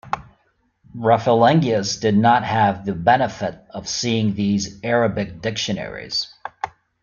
Raphelengius did not have the benefit of seeing these Arabic dictionaries.